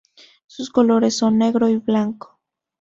Sus colores son negro y blanco.